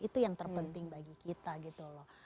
itu yang terpenting bagi kita gitu loh